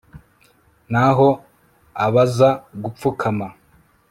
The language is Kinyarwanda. naho abaza gupfukama